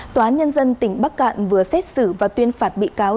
tòa án nhân dân tỉnh bắc cạn vừa xét xử và tuyên phạt bị cáo